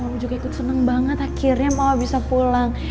mama juga seneng banget akhirnya mama bisa pulang